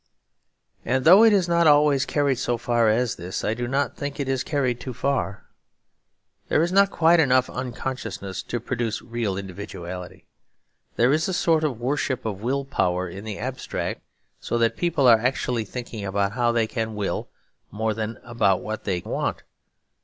And though it is not always carried so far as this, I do think it is carried too far. There is not quite enough unconsciousness to produce real individuality. There is a sort of worship of will power in the abstract, so that people are actually thinking about how they can will, more than about what they want.